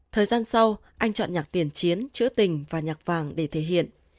thời gian sau anh chọn nhạc tiền chiến trữ tình và nhạc vàng để thể hiện